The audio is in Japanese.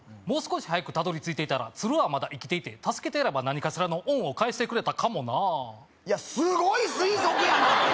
もう少し早くたどり着いてたら鶴はまだ生きていて助けてやれば何かしらの恩を返してくれたかもなあすごい推測やな！